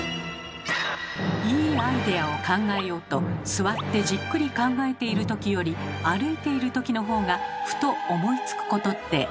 いいアイデアを考えようと座ってじっくり考えているときより歩いてるときの方がふと思いつくことってありますよね？